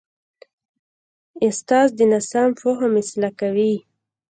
استاد د ناسم فهم اصلاح کوي.